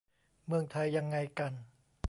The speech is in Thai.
เมืองไทยยังไงกัน